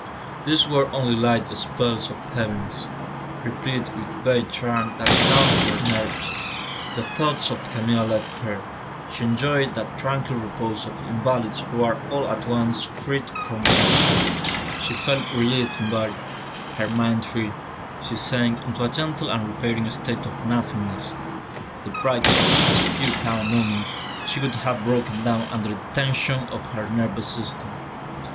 These were only light spells of heaviness, replete with vague charm that calmed her nerves. The thoughts of Camille left her; she enjoyed that tranquil repose of invalids who are all at once freed from pain. She felt relieved in body, her mind free, she sank into a gentle and repairing state of nothingness. Deprived of these few calm moments, she would have broken down under the tension of her nervous system.